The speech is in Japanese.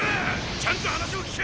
ちゃんと話を聞け！